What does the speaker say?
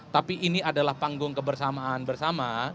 tapi ini adalah panggung kebersamaan bersama